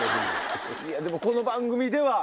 でもこの番組では。